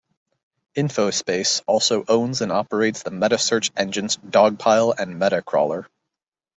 InfoSpace also owns and operates the metasearch engines Dogpile and MetaCrawler.